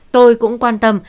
tôi cũng quan tâm